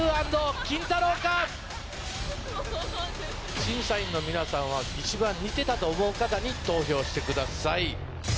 審査員の皆さんは一番似てたと思う方に投票してください。